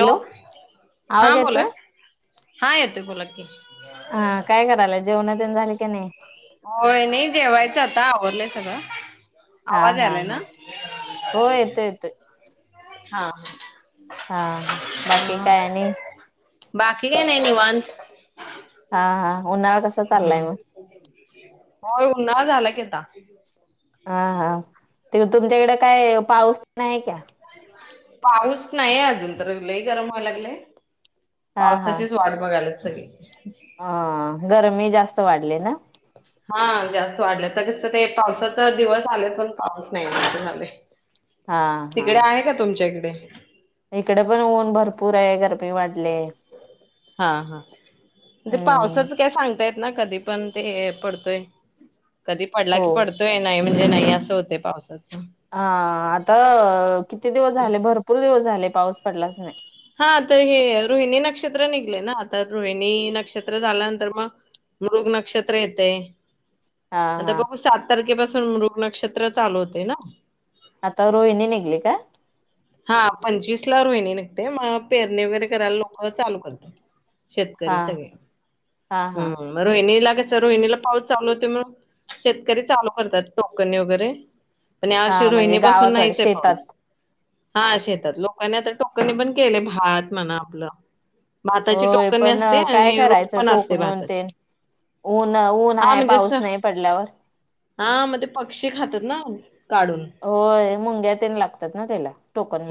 Hello आवाज हा बोला. येतोय हा येतोय बोला की. हा काय करायलाय जेवण तेन झाली की नाही होय नाही जेवायच आता आवरलं सगळ हा हा हा हो येतो येतो. हा. हा बाकी अ काय आणि बाकी काय नाही निवांत हा हा उन्हाळा कस चाललाय मग. हो उन्हाळा झाला कि आता. हा हा. ते तुमच्याकडे काय पाऊस नाही आहे का. पाऊस नाहीये अजून तर लही गरम व्हाय लागलंय. हा पावसाचीच वाट बघायला. सगे. हा. गरमी जास्त वाढले ना. हा जास्त वाढले तर कसत ते पावसाचा दिवस आले पण पाऊस नाही तुम्हाले. हा हा तिकडे आहे का तुमच्याकडे. [inaudible] इकडे पण ऊन भरपूर आहे गरमी वाढले. हा हा ते हम्म पावसाच काय सांगतायेत ना कधी. पण ते पडतोय कधी पडला हो की पडतोय नाही म्हणजे नाही असं होते पावसात. हा आता किती दिवस झाले? भरपूर दिवस झाले. पाऊस पडलाच नाही. हा तर हे रोहिणी नक्षत्र निघले ना आता रोहिणी नक्षत्र झाल्यानंतर मग मृग नक्षत्र येते. हा आता हा बघू सात तारखेपसून मृग नक्षत्र चालू होते ना. आता रोहिणी निघली का? हा पंचवीसला रोहिणी नकते, मग पेरणी वगैरे करायला लोक चालू करतो. हा शेतकरी सगळे हा हा हम्म. रोहिणीला रोहिणीला पाऊस चालू होतोय म्हणून शेतकरी चालू करतात टोकणी वगैरे. पण हा यावर्षी म्हणजे रोहिणी पासून गावाकड नाहीच आहे पाऊस. शेतात. हा शेतात लोकां आ टोकनी पण केले भात म्हणा आपलं भाताची होय टोकनी पण असते काय आणि रोप करायचं पण असते टोकणन भाताची तेन ऊन ऊन हा आहे म्हणजे अस पाऊस नाही पडल्यावर हा मग ते पक्षी खातात ना काढून होय मुंग्या तेन लागतात ना त्याला.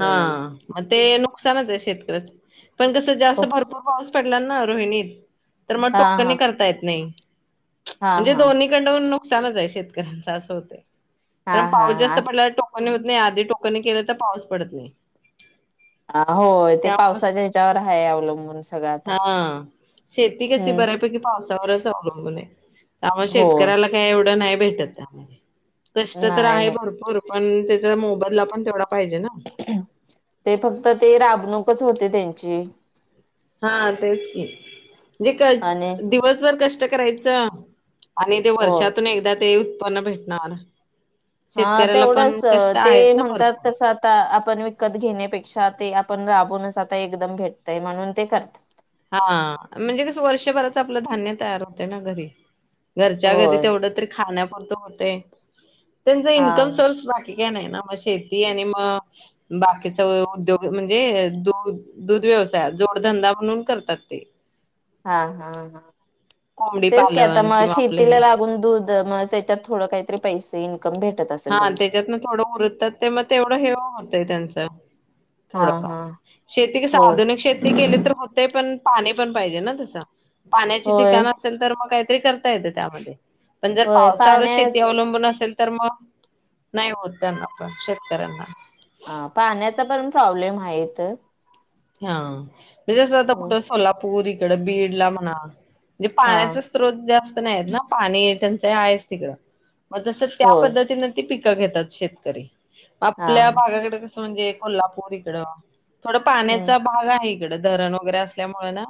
हा म ते नुकसानच आहे शेतकऱ्याच. पण कस जास्त भरपूर पाऊस पडला ना रोहिणीत. तर मग हा टोकनही हा करता येत नाही. हा म्हणजे हा दोन्हीकडंन नुकसानच आहे शेतकऱ्यांच असं होतय. हा कारण पाऊस जास्त हा पडला [unintelligible] नाही आधी टोकनी केलं तर पाऊस पडत नाही. ह हो ते पावसाच्या ह्याच्यावर हय अवलंबून सगळं आता हा शेती कशी हम्म बऱ्यापैकी पावसावरच अवलंबून आहे. त्यामुळे होय शेतकऱ्याला काही एवढं नाही भेटत त्यामध्ये कष्ट तर नाही आहे नाही भरपूर पण त्याच्या मोबईलला पण तेवढा पाहिजे ना. ते फक्त ते राबणूक. च होते त्यांची हा तेच की जे आणि दिवसभर कष्ट करायचं. आणि ते हो वर्षातून एकदा ते ना भेटणार. हा शेतकऱ्याला पण तेवढंच कष्ट ते आहेत ना म्हणतात भरपूर. कसं आता आपण विकत घेण्यापेक्षा ते पण राबूनच आता एकदम भेटतय म्हणून ते करत. हां म्हणजे कसं वर्षभराच आपलं धान्य तयार होत ना घरी घरच्या घरी होय तेवढं तरी खाण्या होत होतेे. त्यांचा हा इन्कम सोर्स भारी नाही ना मग शेती आणि मग बाकीचा उद्योग म्हणजे द दूध व्यवसाय जोडधंदा म्हणून करतात ते हा हा हा. कोंबडी तेच क आता पालन मग किंवा आपलं शेतीला हे लागून दूध मग त्याच्यात थोड काहीतरी पैसे इन्कम भेटत असेल हा त्यांना त्याच्यातन थोडं उरतात ते मग तेवढं हेव होतंय त्यांच [unintelligible] हा हा थोडफार शेती कस हो आधुनिक शेती केली तर हो ते पण पाणी पण पाहिजे ना तसं. पाण्याचे होय ठिकाण असेल तर मग काय करता येते त्यामध्ये पण जर होय पावसावर पाण्या शेती अवलंबून असेल. तर मग नाही होत त्यांना पण शेतकऱ्यांना पाण्याचा पण प्रॉब्लेम आहेत. [unintelligible] म्ह आठं सोला पुरीकडें बीड ला म्हणा. म्हणजे हा पाण्याचा स्त्रोत जा. नाही ना पाणी टंचाई आहेच तिकडं. मग तस त्या होय पद्धतीनं ती पिक पीक घेतात शेतकरी हा आपल्या भागाकडे म्हणजे कोल्हापूर इकडं. थोडं हम्म पाण्या भाग आहे इकडं धरण वगैरे असल्यामुळे ना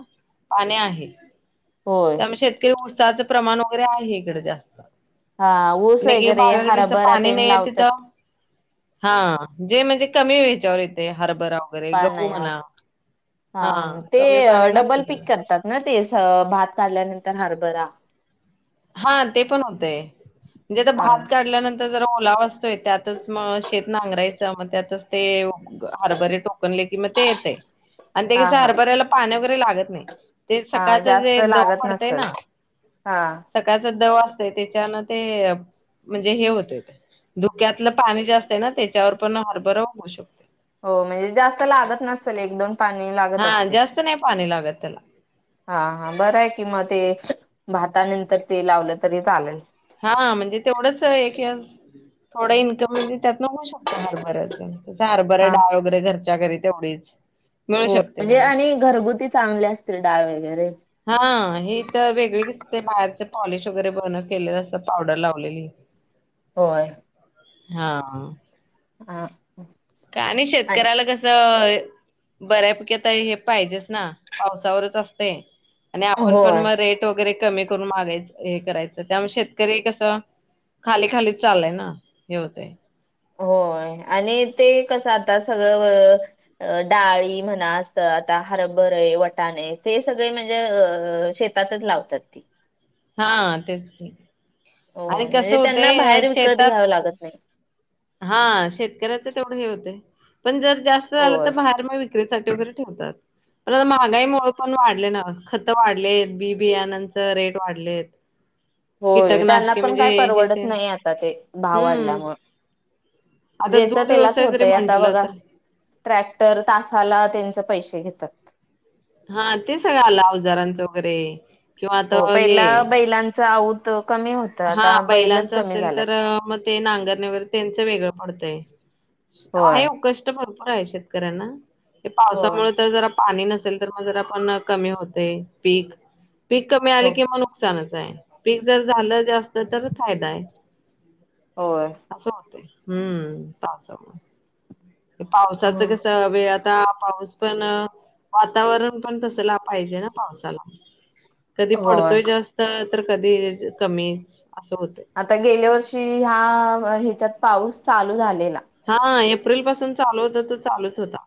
पाणी आहे. होय त्यामुळे शेतकरी ऊसाच. प्रमाण वगैरे आहे इकडं जास्त. हा ऊस पण एक एक वगैरे भागाकडे हराभरा ते लावतात. हा जे म्हणजे कमी हेचार येते हर बरोबर आहे गहु पाण्यावर म्हणा [unintelligible] हा हां, ते कमी पाणी लागतं डबल पिक त्याला. करतात ना ते स भात काढल्यानंतर. हरबरा. हा. ते पण होतय हा भात काढल्यानंतर ते जरा ओलाव असतोय त्यातच मग शेत नांगरायचं मग त्यातच ते हरभरे टोकनले की मग ते येते. आणि हा कशे हा हारबरायला पाण्या लागत नाही. ते हा सकाळचं जास्त जे दव लागत नसल हा. जस दव असते त्याच्यान ते म्हणजे हे व्हात धुक्यातलं पाणी जे असतं ना त्याच्यावर पण हरभर होऊ शुकते. हो म्हणजे जास्त लागत नसल एक दोन पाणी लागत हा असते जास्त नाही पाणी लागत त्याला. हा हा बर आहे कि म ते भातानंतर ते लावलं तरी चालेल. हा म्हणजे तेवढंच एक थोडं इन्कम म्हणजे त्यात न होऊ शकत हरभराच. हरबरा हा डाळ वगैरे घरची. घरच्या घरी तेवढीच. मिळू हो शकते म्हणजे त्यांना. आणि घरगुती चांगले असतील डाळ वगैरे. हा हे तर वेगवेगळेची ते बाहेरचे पॉलिश वगैरे बघुन केलेलं असता पावडर लावलेली. होय. हा. हा. काय नाही शेतकऱ्याला कसं बऱ्यापैकीता हे पाहिजेच ना पावसावरच असतय. आणि आपण पण होय मग रेट वगैरे कमी करून मागायच हे करायचं त्यामुळे शेतकरी कसं खाली खालीच चाललंय ना हे होतंय. होय आणि ते कसं आता सगळं डाळी म्हणा असं असत आता हरभरे वटाणे ते सगळे म्हणजे अ शेतातच लावतात ती. हा तेच की. हो आणि कसं म्हणजे होते त्यांना अ बाहेर विकत शेतात घ्यावं लागत नाही हा शेतकऱ्याच तेवढं हे होतेय पण जर जास्त झालं तर होय बाहेर मग विक्रीेसाठी वगैरे ठेवतात. बर महागाईमुळे पण वाढले ना खत वाढलेत बी बियानांच रेट वाढलेत होय त्यांना कीटकनाशके पण म्हणजे काही हे परवडत ते नाही आता ते भाव वाढला हम्म मुळं आता दूध त्यालाच व्यवसाय जरी होतय आता म्हंटलं बघा तर ट्रॅक्टर तासाला त्यांच पैशे ते घेतात हा ते सगळं आलं अवजारांचं वगैरे किंवा आता हो हे पहिला बैलांच आऊत कमी होत हा आता बैलच बैलांच कमी असेल झाल्यात. तर मग ते नांगरणेवर त्यांच वेगळं पडतय होय आहे उकष् आहे शेतकऱ्यांना ते होय पावसामुळे तर जरा पाणी न जंतर-मंतरला पण कमी होत ये पिक पीक कमी हो आले किंवा नुकसानच नाय पिक जर झालंच असत तर फायदा आहे होय असं होतंय हम्म पावसाच कस वेळ आता पाऊस पण वातावरण पण तसला पाहिजे ना पावसाला कधी होय. पडतोय जास्तच तर कधी च कमी आता गेल्या वर्षी ह्या ह्याच्यात पाऊस चालू झालेला हा ऐप अप्रिल पासून चालू होता तर चालूच होता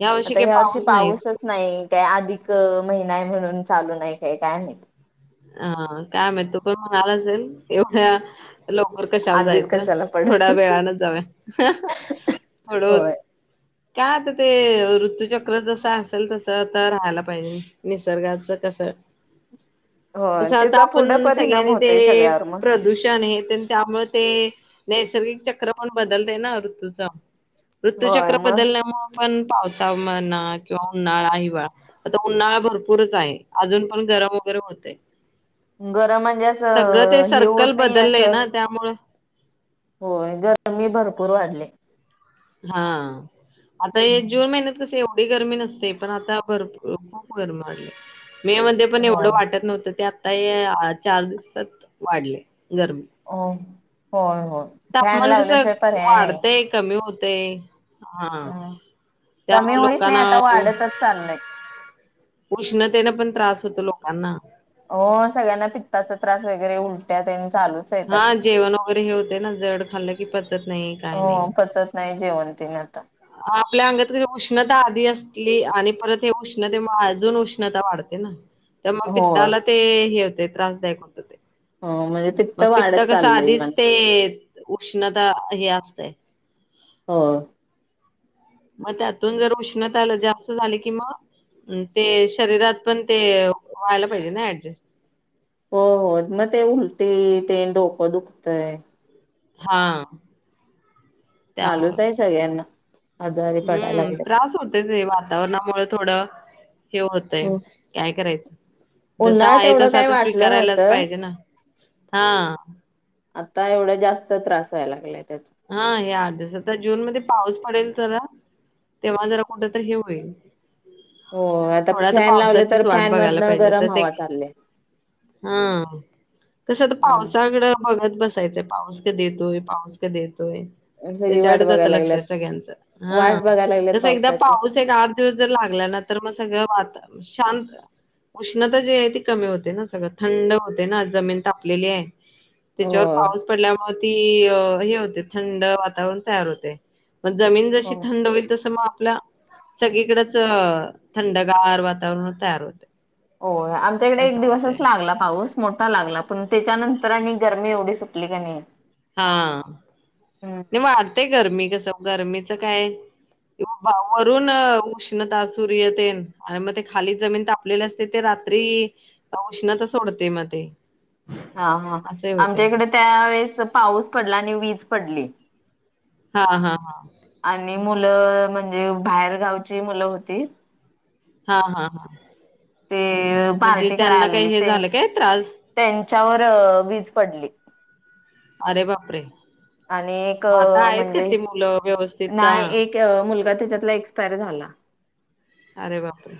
या आता काही ह्या वर्षी पाऊस नाहीच पाऊसच नाही काय अधिक महिना आहे म्हणून चालू नाही काय काय माहित अ काय माहित म्हणा आला असेल एवढ्या लवकर कशाला आधीच जायचं कशाला पड थोड्या वेळान जाऊया ह ह हळूच होय काय होतं ते ऋतुचक्र जसा असल तस आता राहायला पाहिजे निसर्गाच कस होय तसं आता त्याचा पुढं आपण परिणाम सगळ्यांचे होतय ते सगळ्यावर मग प्रदूषण आहे त त्यामुळे ते नैसर्गिक चक्र पण बदलंय ना ऋतूचं. ऋतू होय चक्र मग बदल म पण पावसा म्हना किंवा उन्हाळा हिवाळा आता उन्हाळा भरपूरच आहे. अजून पण गरम वगैरे होते. गरम म्हणजे, असं हे होत नाही बदललंय असं ना त्यामुळं होय. गर मी भरपूर वाढले. हा आता हे हम्म जून महिन्यात येव एवडी गरमी नसते, पण आता भरपू खूप गरम व्हायले. मे मध्ये पण एवढं होय वाटत नव्हतं ते आ आता चार दिवसात वाढले. गर्मी हो होय. होय फॅन तापमान कस लावल्याशिवाय पर्याय नाही. वाढतंय कमी हो तय. हा हम्म कमी त्यामुळ होईत नाही लोकांना आता वाढतच चाललंय. उष्णतेनं पण त्रास, लोकांना. त्यां हा जेवण वगैरे हे होते, ना जड खाल्लं की पचत नाही काय नाही. हो पचत नाही जेवण तेन आता आपल्या अंगात उष्णता आधी असली, आणि परत हे उष्णते अजून उष्णता वाढते. तर मग होय पित्ताला ते हे होते. त्रासदायक हो म्हणजे पित्त मग वाढत कसं चाललय आधीच माणस ते उष्णता हे असतय. हो. मग त्यातून जर उष्णताला जास्त झाली. की मग ते शरीरात पण ते व्हायला पाहिजे ना ऍडजस्ट. हो हो मग ते उलटी, ते डोकं दुखतंय हा. त्यामुळं. चालूत आहे सगळ्यांना आजारी पडायला हम्म लागलेत. त्रास होतोयच. वातावरणामुळे थोडं, हे होतय हो, काय करायचं. जस उन्हाळ्यात आहे एवढं तस काही आता वाटलं स्वीकारायलाच नव्हतं. पाहिजे ना हा. आता एवढं जास्त त्रास व्हाय लागला. हा हे [unintelligible] आता जून मध्ये पाऊस पडेल तर तेव्हा जरा कुठ तरी हे होईल? हो [unintelligible] आता थोडा तर फॅन लावले तर पावसाचीच वाट फॅन बघायला मधन पाहिजेता गरम ते हवा चालले हा तस ह पावसाकड बघत बस पाऊस कधी येतोय पाऊस? कधी ये होय सगळी वाट त्याच्याकडे जात बघायला लक्ष लागल्यात सगळ्यांच हा वाट बघायला लागल्यात तस एकदा पावसाची पाऊस एक आठ दिवस जर लागला ना तर मग सगळं वाता शांत उष्णता जी आहे ती कमी होते ना, सगळं थंड होते ना जमीन तापलेली आहे. हो त्याच्यावर पाऊस [inaudible] पडल्यामुळे ती.. अ.. हे होते थंड वातावरण तयार होते. मग जमीन जशी हो थंड होईल तसं मग? [unintelligible] सगळीकडेच थंडगार वातावरण तयार होते होय आमच्याकडे एक असं होतंय. दिवसच लागला पाऊस मोठा. हा लागला पण त्याच्यानंतर आणि गरमी एवढी सुटली की नाही. हा नाही वाढतेय गरमी कस? गरमीचं काय किंवा भाव वरून उष्णता सूर्य तेनं आणि आणि मग ते खाली जमीन तापलेले असते. ते रात्री उष्णता सोडते मग ते. हा हा असे होते. आमच्या इकडे त्यावेेळेस पाऊस पडला आणि वीज पडली. हा हा हा आणि मुलं म्हणजे बाहेर गावची मुलं होती हा हा हा ते म्हणजे पार्टी कराय त्यांना आली काही हे ती झालं काय त्रास त्यांच्यावर वीज पडली. आरे? बापरे! आणि एक मग आता आहेत का म्हणजे ती मुलं व्यवस्थित ना का? एक मुलगा त्याच्यातला एक एक्स्प् एक्स्पाईर झाला अरे! बापरे!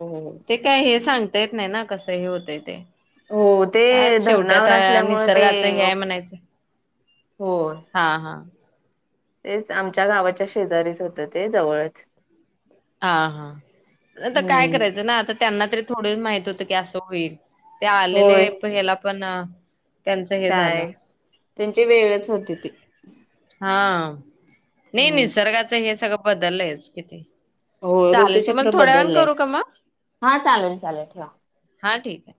हो. हो ते काय हे सांग? येत नाही ना कसं हे होत ते? हो. हो, काय ते शेवटी धरणावर असल्यामुळे ते निसर्गाच हे आहेय म्हणायचं? हो हा हा तेच आम. च्या गावाच्या शेजारीच होतं ते जवळच हा हा आता काय हम्म. करायचं ना आता? त्यांना तरी थोडं माहित होतं की असं होईल. ते होय आलेले पण ह्याला पण त्यांचं हे झालं काय त्यांची वेळच होती ती हां. नाही हम्म. निसर्गाचं हे सगळं. बदललयच किती? हो चालेल तुम्हाला ऋतुचक्र थोड्या वेळानं बदलले करू का मग? हा चालेल चालेल ठेवा. हा ठीक आहे.